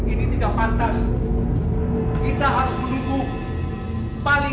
aku ingin memberitahu sesuatu padamu